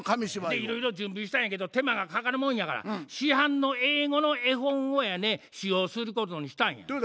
いろいろ準備したんやけど手間がかかるもんやから市販の英語の絵本をやね使用することにしたんや。